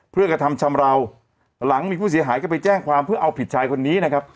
เพื่อกระทำชำราวหลังมีผู้เสียหายก็ไปแจ้งความเพื่อเอาผิดชายคนนี้นะครับ